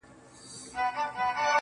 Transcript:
او خپل سر يې د لينگو پر آمسا کښېښود.